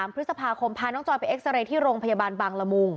พฤษภาคมพาน้องจอยไปเอ็กซาเรย์ที่โรงพยาบาลบางละมุง